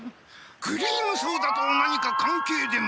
クリームソーダと何か関係でも？